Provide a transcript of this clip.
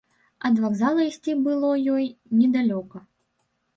Ад вакзала ісці было ёй недалёка.